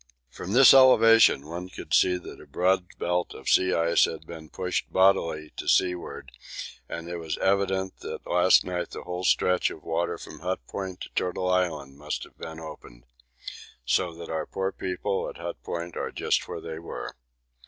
From this elevation one could see that a broad belt of sea ice had been pushed bodily to seaward, and it was evident that last night the whole stretch of water from Hut Point to Turtle Island must have been open so that our poor people at Hut Point are just where they were.